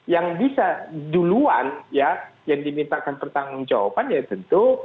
yang bisa duluan ya yang dimintakan pertanggung jawabannya tentu